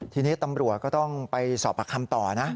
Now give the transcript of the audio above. ทีนี้ตำรวจก็ต้องไปสอบปากคำต่อนะ